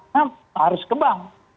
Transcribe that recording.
nah harus ke bank